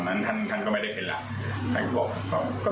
มันคงมีบ้างนะครับแต่ว่ามันละละเรื่องนะครับ